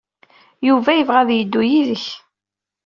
Yuba yebɣa ad yeddu yid-k.